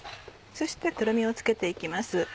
そしてとろみをつけて行きます。